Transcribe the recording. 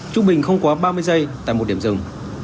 trung bình không quá ba mươi giây tại một điểm rừng